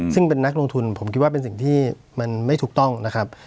ซึ่งเป็นนักลงทุนผมคิดว่าเป็นสิ่งที่มันไม่ถูกต้องนะครับ